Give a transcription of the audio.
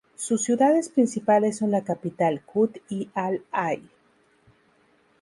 Sus ciudades principales son la capital, Kut y Al-Hai.